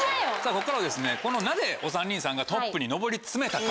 ここからはなぜお３人さんがトップに登り詰めたか。